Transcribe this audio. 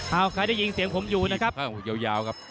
เอ้าใครได้ยินเสียงผมอยู่นะครับ